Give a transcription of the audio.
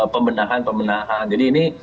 pemenahan pemenahan jadi ini